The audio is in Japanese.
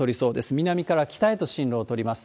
南から北へと進路を取ります。